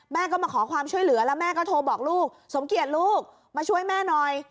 แม่ก็มาขอความช่วยเหลือแล้วแม่ก็โทรบอกลูกสมเกียจลูกมาช่วยแม่หน่อย